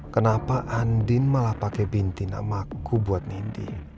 kenapa andin malah pakai binti namaku buat nindi